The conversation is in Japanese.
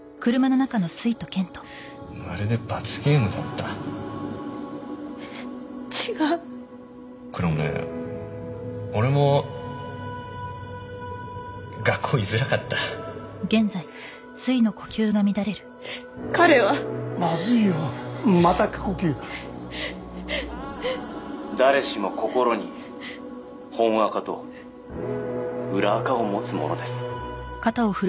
まるで罰ゲームだった違う黒目俺も学校いづらかった彼はまずいよまた過呼吸「誰しも心に本アカと裏アカを持つものです」